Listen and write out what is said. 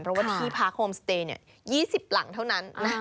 เพราะว่าที่พักโฮมสเตย์๒๐หลังเท่านั้น